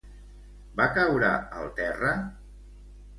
Va caure al terra?